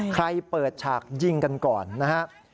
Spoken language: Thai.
ใครเปิดฉากยิงกันก่อนนะฮะ